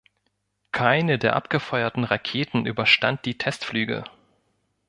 Keine der abgefeuerten Raketen überstand die Testflüge.